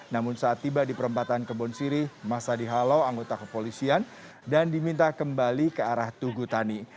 namun saat tiba di perempatan kebon sirih masa dihalau anggota kepolisian dan diminta kembali ke arah tugutani